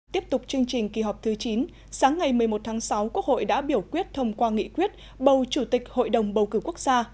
tiếp tục chương trình kỳ họp thứ chín sáng ngày một mươi một tháng sáu quốc hội đã biểu quyết thông qua nghị quyết bầu chủ tịch hội đồng bầu cử quốc gia